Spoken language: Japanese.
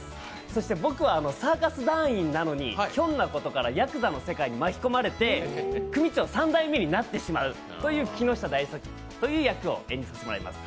そして僕はサーカス団員ひょんなことからやくざの世界に巻き込まれて組長三代目になってしまうという木下大作という役を演じさせていただきます。